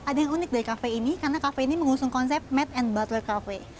ada yang unik dari kafe ini karena kafe ini mengusung konsep made and butter cafe